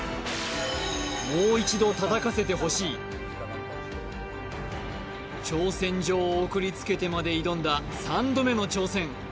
もう一度叩かせてほしい挑戦状を送りつけてまで挑んだ３度目の挑戦